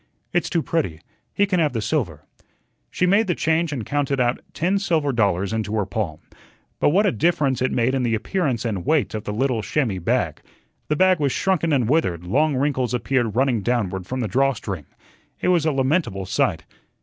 "It's too pretty. He can have the silver." She made the change and counted out ten silver dollars into her palm. But what a difference it made in the appearance and weight of the little chamois bag! The bag was shrunken and withered, long wrinkles appeared running downward from the draw string. It was a lamentable sight.